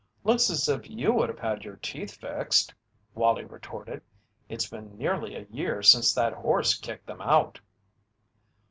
"Looks as if you would have had your teeth fixed," Wallie retorted. "It's been nearly a year since that horse kicked them out."